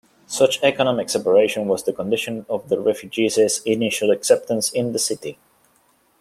Such economic separation was the condition of the refugees' initial acceptance in the City.